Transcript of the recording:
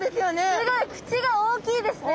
すごい口が大きいですね。